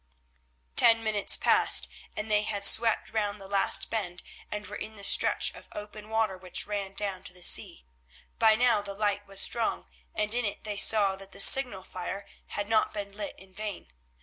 Ten minutes passed, and they had swept round the last bend and were in the stretch of open water which ran down to the sea. By now the light was strong, and in it they saw that the signal fire had not been lit in vain.